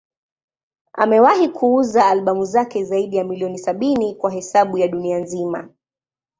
Amewahi kuuza albamu zake zaidi ya milioni sabini kwa hesabu ya dunia nzima.